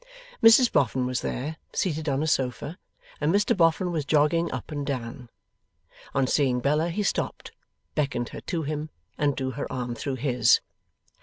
Mrs Boffin was there, seated on a sofa, and Mr Boffin was jogging up and down. On seeing Bella he stopped, beckoned her to him, and drew her arm through his.